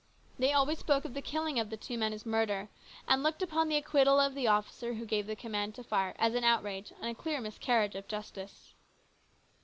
They always spoke of the killing of the two men as " murder," and looked upon the acquittal of the officer who gave the command to fire as an outrage and a clear miscarriage of justice.